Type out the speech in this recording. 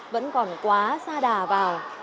vẫn còn quá xa đà vào